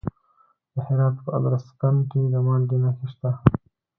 د هرات په ادرسکن کې د مالګې نښې شته.